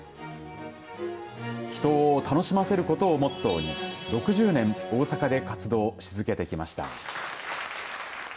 人を楽しませることをモットーに６０年、大阪で活動し続けてきました。